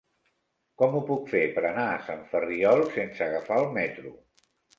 Com ho puc fer per anar a Sant Ferriol sense agafar el metro?